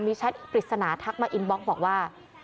แชทปริศนาทักมาอินบล็อกบอกว่า